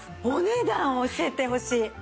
お値段教えてほしい！